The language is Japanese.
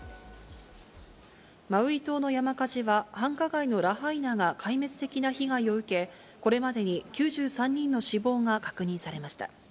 マウイ島の山火事は、繁華街のラハイナが壊滅的な被害を受け、これまでに９３人の死亡が確認されました。